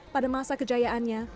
pada masa kejayaannya